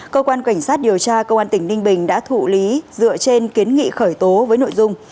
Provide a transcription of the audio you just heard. cơ quan cảnh sát điều tra công an tỉnh ninh bình đã thụ lý dựa trên kiến nghị khởi tố với nội dung